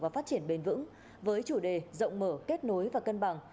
và phát triển bền vững với chủ đề rộng mở kết nối và cân bằng